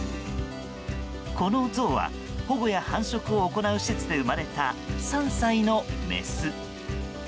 このゾウは保護や繁殖を行う施設で生まれた３歳のメス。